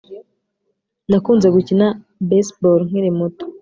Nakunze gukina baseball nkiri muto